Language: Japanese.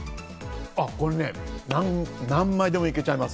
これね何枚でもいけちゃいます。